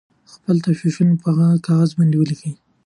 خپل تشویشونه په کاغذ باندې ولیکئ.